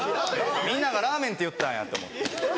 みんながラーメンって言ったんやと思って。